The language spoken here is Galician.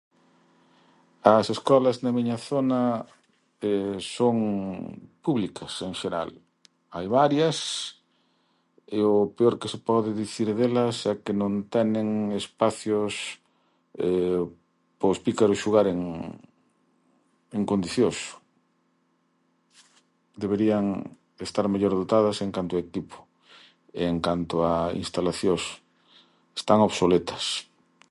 As escolas na miña zona son públicas, en xeral. Hai varias, e o peor que se pode dicir delas é que non tenen espacios pos pícaros xogaren en condiciós. Deberían estar mellor dotadas en canto a equipo e en canto a instalaciós. Están obsoletas.